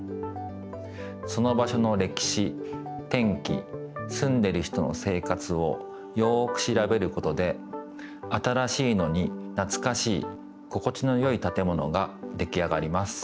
その場しょのれきし天気すんでる人の生活をよくしらべることで新しいのになつかしい心地のよいたてものができあがります。